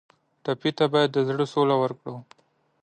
ټپي ته باید د زړه سوله ورکړو.